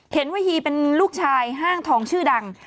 เห็นว่าฮีเป็นลูกชายห้างทองชื่อดัง